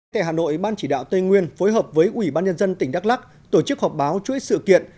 tại hà nội ban chỉ đạo tây nguyên phối hợp với ủy ban nhân dân tỉnh đắk lắc tổ chức họp báo chuỗi sự kiện